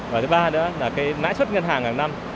và thứ ba nữa là cái lãi suất ngân hàng hàng năm